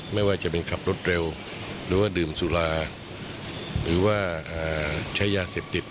ไม่ว่าจะเป็นขับรถเร็วหรือว่าดื่มสุราหรือว่าใช้ยาเสพติด